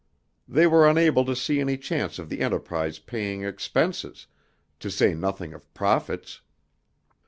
They were unable to see any chance of the enterprise paying expenses, to say nothing of profits.